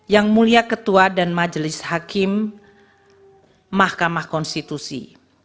yang mulia ketua dan majelis hakim mahkamah konstitusi